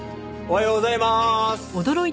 おはようございまーす！